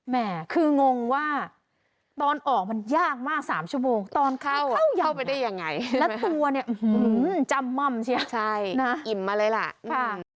แหม่คืองงว่าตอนออกมันยากมาก๓ชั่วโมง